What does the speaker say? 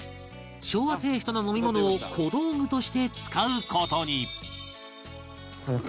昭和テイストの飲み物を小道具として使う事に